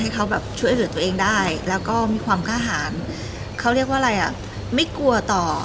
เขาเรียกว่าอะไรอ่ะไม่กลัวต่อ